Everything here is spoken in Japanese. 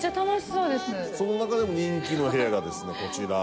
その中でも人気の部屋がですねこちら。